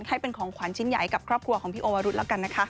ให้เป็นของขวัญชิ้นใหญ่กับครอบครัวของพี่โอวรุธแล้วกันนะคะ